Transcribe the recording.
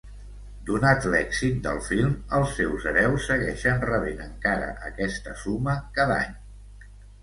Donat l'èxit del film, els seus hereus segueixen rebent encara aquesta suma cada any.